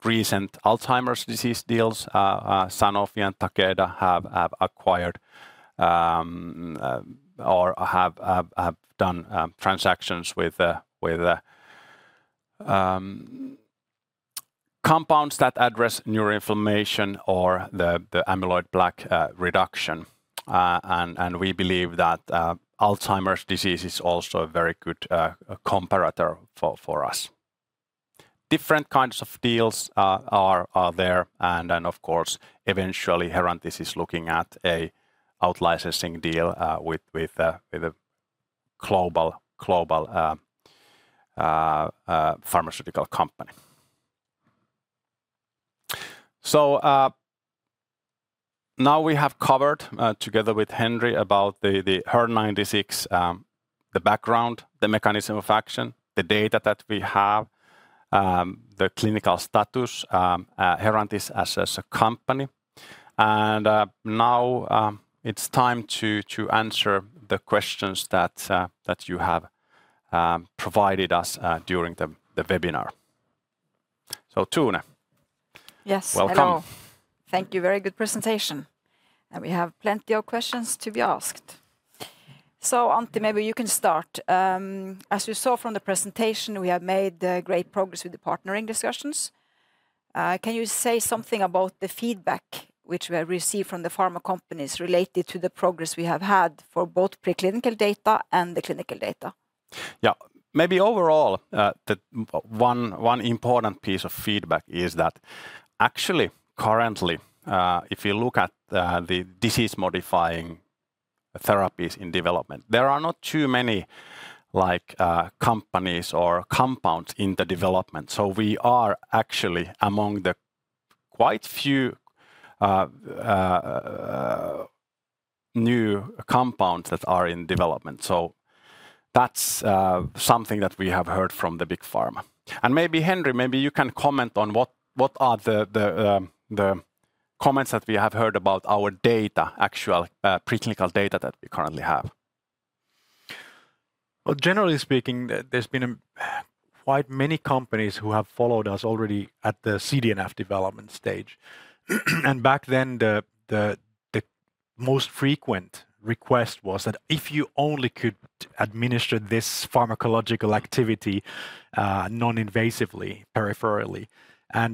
S2: recent Alzheimer's disease deals. Sanofi and Takeda have acquired or have done transactions with compounds that address neuroinflammation or the amyloid plaque reduction. And we believe that Alzheimer's disease is also a very good comparator for us. Different kinds of deals are there, and then of course, eventually, Herantis is looking at an out-licensing deal with a global pharmaceutical company, so now we have covered together with Henri about the HER96, the background, the mechanism of action, the data that we have, the clinical status, Herantis as a company, and now it's time to answer the questions that you have provided us during the webinar. So Tone-
S3: Yes, hello.
S1: Welcome.
S3: Thank you. Very good presentation, and we have plenty of questions to be asked. So Antti, maybe you can start. As you saw from the presentation, we have made great progress with the partnering discussions. Can you say something about the feedback which we have received from the pharma companies related to the progress we have had for both preclinical data and the clinical data?
S1: Yeah. Maybe overall, the one important piece of feedback is that actually currently, if you look at the disease-modifying therapies in development, there are not too many like companies or compounds in the development. So we are actually among the quite few new compounds that are in development, so that's something that we have heard from the big pharma. Maybe Henri, maybe you can comment on what are the comments that we have heard about our data, actual preclinical data that we currently have?
S2: Generally speaking, there's been quite many companies who have followed us already at the CDNF development stage. Back then, the most frequent request was that if you only could administer this pharmacological activity non-invasively, peripherally.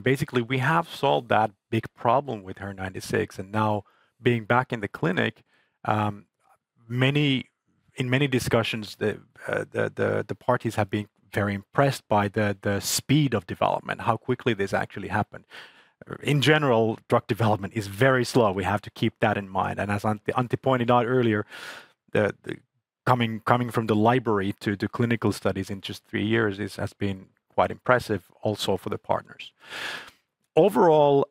S2: Basically, we have solved that big problem with HER96, and now being back in the clinic, in many discussions, the parties have been very impressed by the speed of development, how quickly this actually happened. In general, drug development is very slow. We have to keep that in mind. As Antti pointed out earlier, the coming from the library to the clinical studies in just three years has been quite impressive also for the partners. Overall,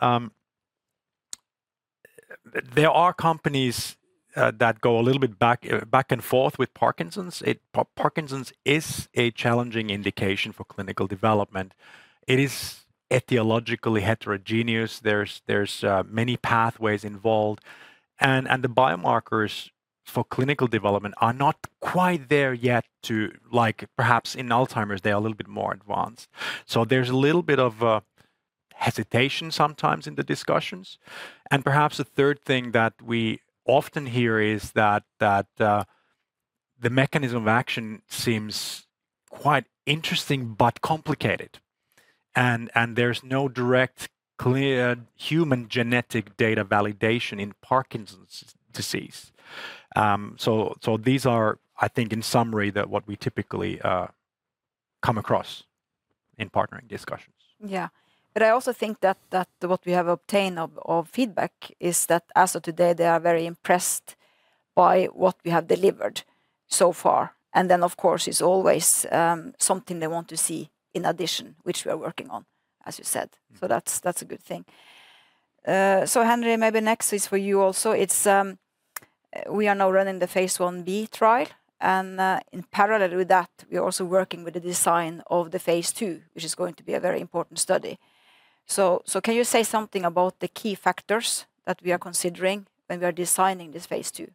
S2: there are companies that go a little bit back and forth with Parkinson's. Parkinson's is a challenging indication for clinical development. It is etiologically heterogeneous. There's many pathways involved, and the biomarkers for clinical development are not quite there yet to... Like, perhaps in Alzheimer's, they are a little bit more advanced. So there's a little bit of a hesitation sometimes in the discussions. And perhaps a third thing that we often hear is that the mechanism of action seems quite interesting, but complicated, and there's no direct, clear human genetic data validation in Parkinson's disease. So these are, I think, in summary, that what we typically come across in partnering discussions.
S3: Yeah. But I also think that what we have obtained of feedback is that, as of today, they are very impressed by what we have delivered so far. And then, of course, it's always something they want to see in addition, which we are working on, as you said. So that's a good thing. So Henri, maybe next is for you also. It's we are now running the phase 1b trial, and in parallel with that, we are also working with the design of the phase 2, which is going to be a very important study. So can you say something about the key factors that we are considering when we are designing this phase 2?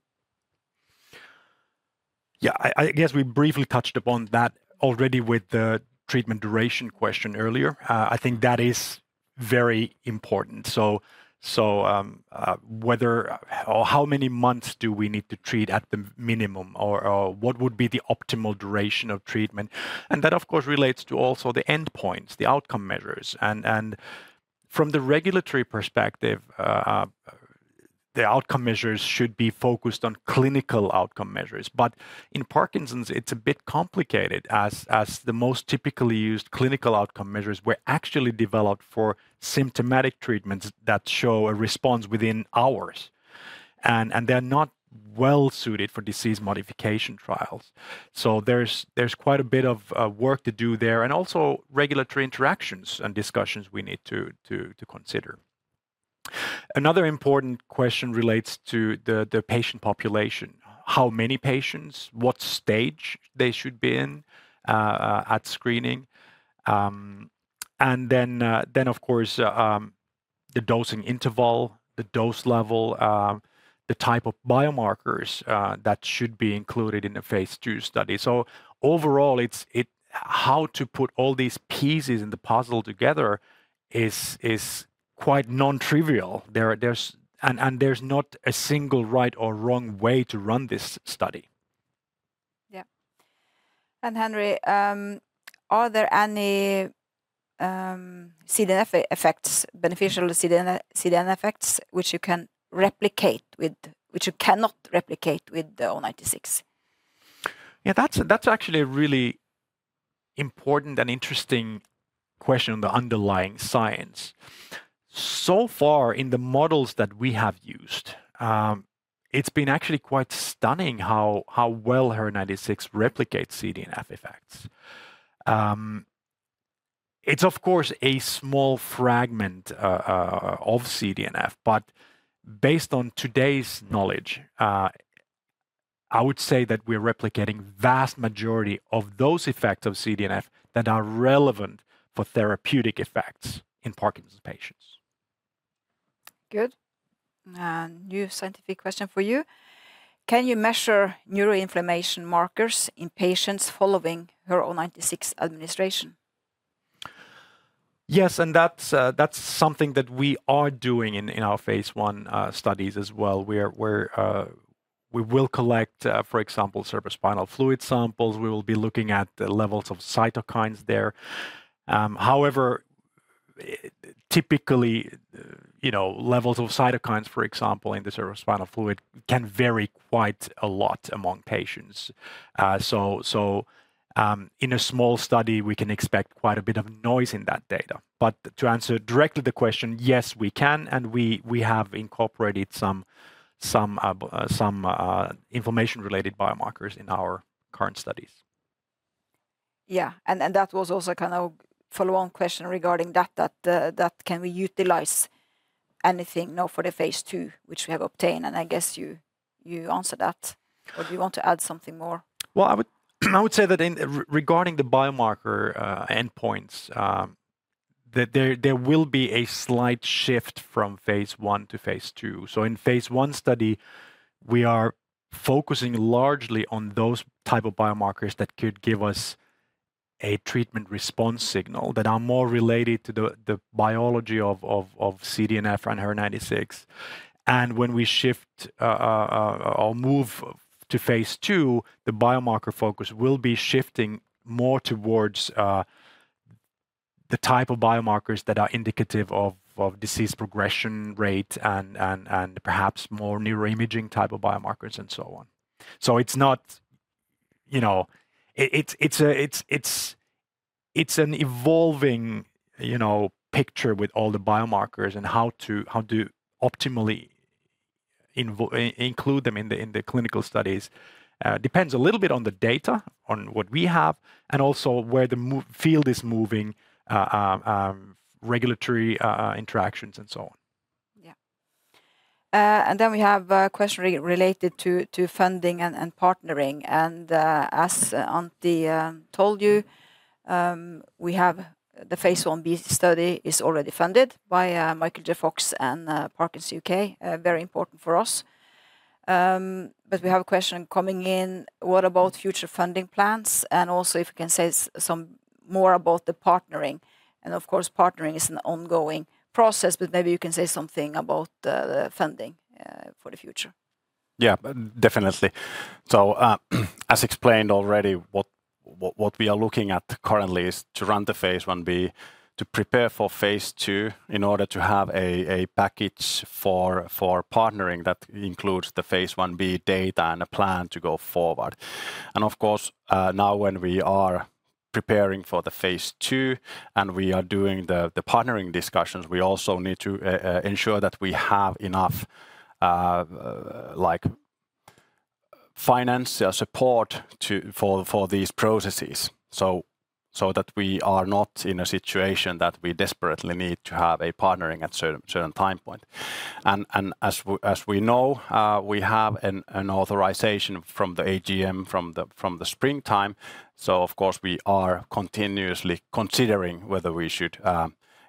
S2: Yeah, I guess we briefly touched upon that already with the treatment duration question earlier. I think that is very important. So, whether or how many months do we need to treat at the minimum, or what would be the optimal duration of treatment? And that, of course, relates to also the endpoints, the outcome measures, and from the regulatory perspective, the outcome measures should be focused on clinical outcome measures. But in Parkinson's, it's a bit complicated, as the most typically used clinical outcome measures were actually developed for symptomatic treatments that show a response within hours, and they're not well suited for disease modification trials. So there's quite a bit of work to do there, and also regulatory interactions and discussions we need to consider. Another important question relates to the patient population. How many patients, what stage they should be in, at screening? And then, of course, the dosing interval, the dose level, the type of biomarkers that should be included in the phase 2 study. So overall, it's how to put all these pieces in the puzzle together is quite non-trivial. There are, there's not a single right or wrong way to run this study.
S3: Yeah, and Henri, are there any beneficial CDNF effects which you cannot replicate with the O96?
S2: Yeah, that's actually a really important and interesting question on the underlying science. So far, in the models that we have used, it's been actually quite stunning how well HER96 replicates CDNF effects. It's of course a small fragment of CDNF, but based on today's knowledge, I would say that we're replicating vast majority of those effects of CDNF that are relevant for therapeutic effects in Parkinson's patients.
S3: Good. And new scientific question for you: Can you measure neuroinflammation markers in patients following HER096 administration?
S2: Yes, and that's something that we are doing in our phase 1 studies as well, where we will collect, for example, cerebrospinal fluid samples. We will be looking at the levels of cytokines there. However, typically, you know, levels of cytokines, for example, in the cerebrospinal fluid, can vary quite a lot among patients. So, in a small study, we can expect quite a bit of noise in that data. But to answer directly the question, yes, we can, and we have incorporated some information-related biomarkers in our current studies.
S3: Yeah, and that was also kind of a follow-on question regarding that can we utilize anything now for the phase 2, which we have obtained? And I guess you answered that. But do you want to add something more?
S2: I would say that in regarding the biomarker endpoints, that there will be a slight shift from phase 1 to phase 2. In phase 1 study, we are focusing largely on those type of biomarkers that could give us a treatment response signal that are more related to the biology of CDNF and HER96. And when we shift or move to phase two, the biomarker focus will be shifting more towards the type of biomarkers that are indicative of disease progression rate and perhaps more neuroimaging type of biomarkers, and so on. So it's not, you know, it's an evolving, you know, picture with all the biomarkers and how to optimally include them in the clinical studies. Depends a little bit on the data, on what we have, and also where the field is moving, regulatory interactions, and so on.
S3: Yeah. And then we have a question related to funding and partnering, and as Antti told you, we have the phase 1b study is already funded by Michael J. Fox and Parkinson's UK, very important for us. But we have a question coming in, what about future funding plans? And also if you can say some more about the partnering, and of course, partnering is an ongoing process, but maybe you can say something about the funding for the future.
S2: Yeah, definitely. So, as explained already, we are looking at currently is to run the phase 1b, to prepare for phase two, in order to have a package for partnering that includes the phase 1b data and a plan to go forward. And of course, now when we are preparing for the phase two, and we are doing the partnering discussions, we also need to ensure that we have enough like financial support to for these processes, so that we are not in a situation that we desperately need to have a partnering at certain time point. As we know, we have an authorization from the AGM from the springtime, so of course, we are continuously considering whether we should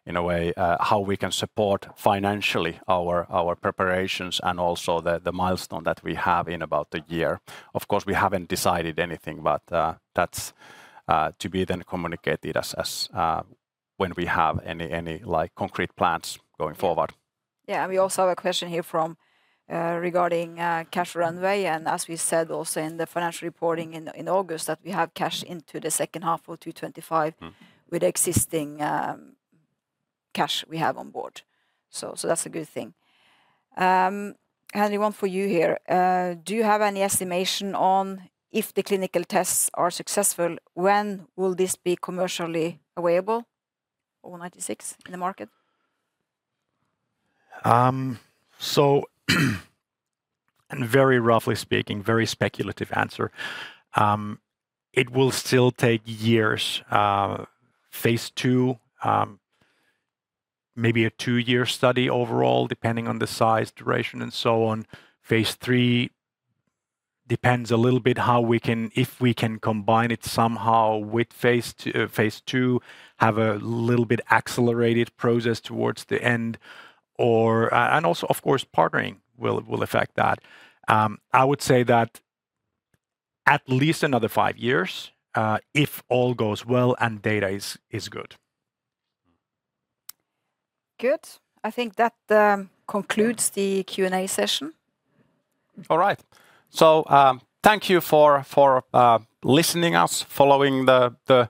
S2: in a way how we can support financially our preparations and also the milestone that we have in about a year. Of course, we haven't decided anything, but that's to be then communicated as when we have any like concrete plans going forward.
S3: Yeah, and we also have a question here from, regarding, cash runway, and as we said, also in the financial reporting in August, that we have cash into the second half of 2025.
S1: Mm...
S3: with existing cash we have on board. So that's a good thing. And one for you here, do you have any estimation on if the clinical tests are successful, when will this be commercially available, O96, in the market?
S1: So and very roughly speaking, very speculative answer, it will still take years, phase 2, maybe a two-year study overall, depending on the size, duration, and so on. Phase 3 depends a little bit how we can... if we can combine it somehow with phase 2, have a little bit accelerated process towards the end, or and also, of course, partnering will affect that. I would say that at least another five years, if all goes well, and data is good.
S3: Good. I think that concludes the Q&A session.
S1: All right. So, thank you for listening us, following the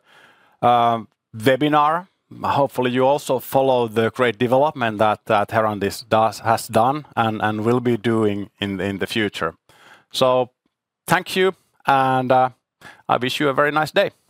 S1: webinar. Hopefully, you also follow the great development that Herantis does, has done and will be doing in the future. So thank you, and I wish you a very nice day!